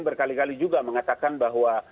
berkali kali juga mengatakan bahwa